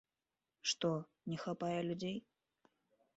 Што, не хапае людзей?